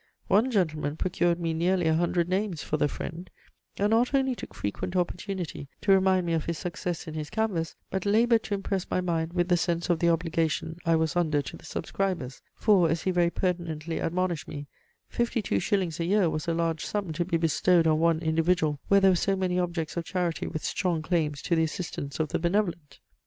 One gentleman procured me nearly a hundred names for THE FRIEND, and not only took frequent opportunity to remind me of his success in his canvass, but laboured to impress my mind with the sense of the obligation, I was under to the subscribers; for, (as he very pertinently admonished me,) "fifty two shillings a year was a large sum to be bestowed on one individual, where there were so many objects of charity with strong claims to the assistance of the benevolent."